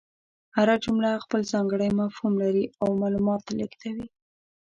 هره جمله خپل ځانګړی مفهوم لري او معلومات لېږدوي.